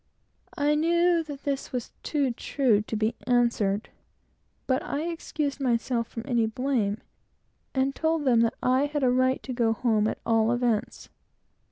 I knew that this was too true to be answered, but I excused myself from any blame, and told them that I had a right to go home, at all events.